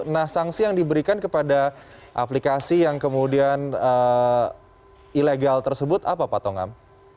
nah sanksi yang diberikan kepada aplikasi yang kemudian ilegal tersebut apa pak tongam